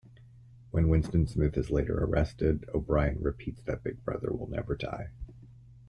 When Winston Smith is later arrested, O'Brien repeats that Big Brother will never die.